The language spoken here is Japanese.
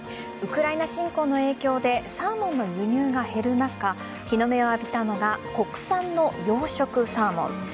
ウクライナ侵攻の影響でサーモンの輸入が減る中日の目を浴びたのが国産の養殖サーモン。